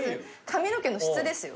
髪の毛の質ですよ。